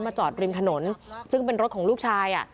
จอดริมถนนซึ่งเป็นรถของลูกชาย